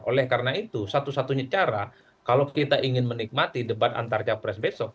oleh karena itu satu satunya cara kalau kita ingin menikmati debat antar capres besok